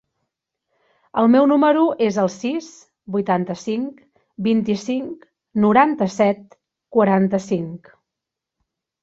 El meu número es el sis, vuitanta-cinc, vint-i-cinc, noranta-set, quaranta-cinc.